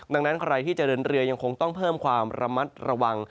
ดังนั้นใครที่จะเดินเรือยังคงต้องเพิ่มความระมัดระวัง